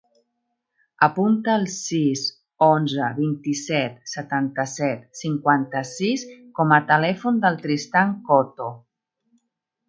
Apunta el sis, onze, vint-i-set, setanta-set, cinquanta-sis com a telèfon del Tristan Coto.